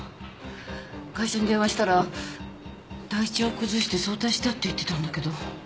会社に電話したら体調を崩して早退したって言ってたんだけど。